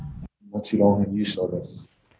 もちろん優勝です。